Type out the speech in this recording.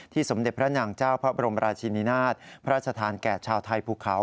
สมเด็จพระนางเจ้าพระบรมราชินินาศพระราชทานแก่ชาวไทยภูเขา